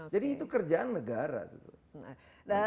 jadi itu kerjaan negara